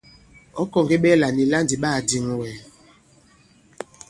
Ɔ̌ kɔ̀ŋge ɓɛɛlà nì la ndì ɓa kà-dìŋ wɛ̀?